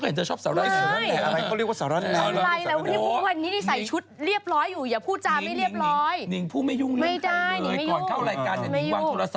ก็ผมจะร้องไอ้เพลงไปเหมือนกันนะ